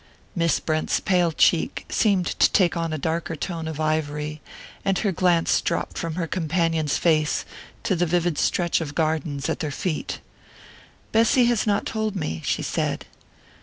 Miss Brent's pale cheek seemed to take on a darker tone of ivory, and her glance dropped from her companion's face to the vivid stretch of gardens at their feet. "Bessy has not told me," she said.